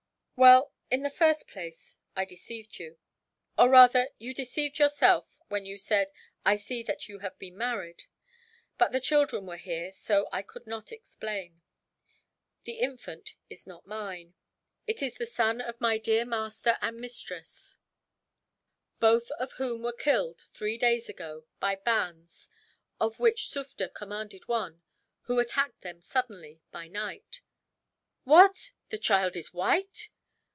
"Well, in the first place, I deceived you; or rather you deceived yourself, when you said, 'I see that you have been married;' but the children were here, and so I could not explain. The infant is not mine. It is the son of my dear master and mistress, both of whom were killed, three days ago, by bands of which Sufder commanded one who attacked them suddenly, by night." "What! Is the child white?"